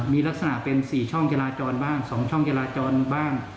มีลักษณะเป็น๔ช่องจราจรบ้าง๒ช่องจราจรบ้าง